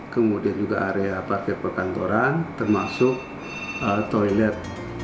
kemudian juga area parkir perkantoran termasuk toilet